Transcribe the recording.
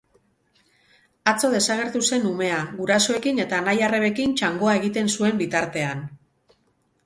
Atzo desagertu zen umea, gurasoekin eta anai-arrebekin txangoa egiten zuen bitartean.